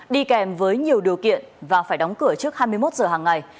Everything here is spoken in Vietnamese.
đi kèm với nhiều điều kiện và phải đóng cửa trước hai mươi một giờ hàng ngày